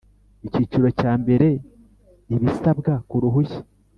Icyiciro cya mbere Ibisabwa ku ruhushya